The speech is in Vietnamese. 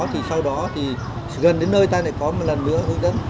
thì sau đó thì gần đến nơi ta lại có một lần nữa hướng dẫn